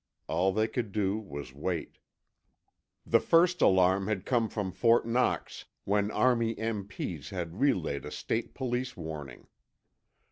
All they could do was wait. The first alarm had come from Fort Knox, when Army M.P.'s had relayed a state police warning.